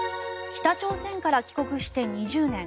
北朝鮮から帰国して２０年。